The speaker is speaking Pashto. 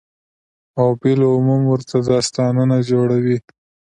او بالعموم ورته داستانونه جوړوي،